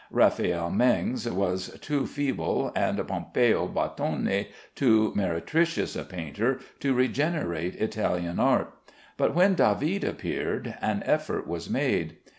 Raphael Mengs was too feeble, and Pompeo Battoni too meretricious, a painter to regenerate Italian art, but when David appeared, an effort was made.